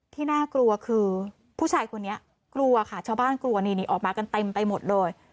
น่ากลัวคือผู้ชายคนนี้กลัวค่ะชาวบ้านกลัวนี่นี่ออกมากันเต็มไปหมดเลย